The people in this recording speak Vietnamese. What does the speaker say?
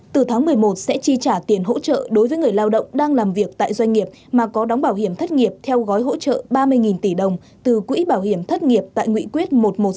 từ tháng một mươi một sẽ chi trả tiền hỗ trợ đối với người lao động đang làm việc tại doanh nghiệp mà có đóng bảo hiểm thất nghiệp theo gói hỗ trợ ba mươi tỷ đồng từ quỹ bảo hiểm thất nghiệp tại nguyện quyết một trăm một mươi sáu